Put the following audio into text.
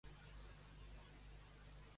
Merkel hi està d'acord?